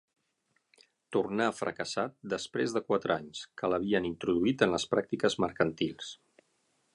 Tornà fracassat després de quatre anys, que l'havien introduït en les pràctiques mercantils.